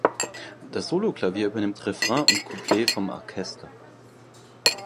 Das Soloklavier übernimmt Refrain und Couplet vom Orchester.